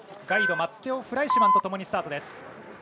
ガイドのマッテオ・フライシュマンと一緒にスタートです。